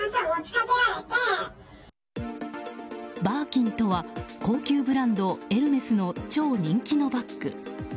バーキンとは高級ブランド、エルメスの超人気のバッグ。